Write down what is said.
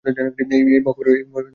এই মহকুমার সদর কাকদ্বীপ।